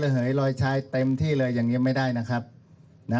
เหยลอยชายเต็มที่เลยอย่างนี้ไม่ได้นะครับนะ